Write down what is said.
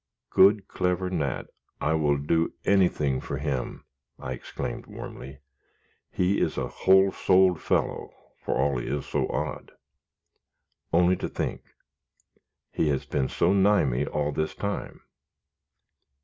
"Good, clever Nat, I will do anything for him," I exclaimed, warmly. "He is a whole souled fellow, for all he is so odd. Only to think, he has been so nigh me all this time!